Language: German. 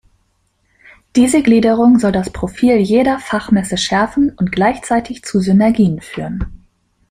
Diese Gliederung soll das Profil jeder Fachmesse schärfen und gleichzeitig zu Synergien führen.